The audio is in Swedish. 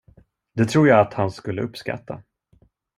Det tror jag att han skulle uppskatta.